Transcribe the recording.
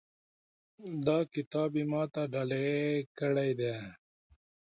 دا کتاب یې ما ته ډالۍ کړی ده